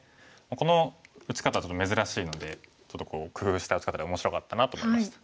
この打ち方はちょっと珍しいのでちょっと工夫した打ち方で面白かったなと思いました。